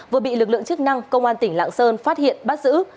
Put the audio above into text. vừa bị lực lượng chức năng công an tỉnh lạng sơn phát hiện bắt giữ